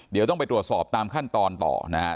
เดี๋ยวต้องไปตรวจสอบตามขั้นตอนต่อนะฮะ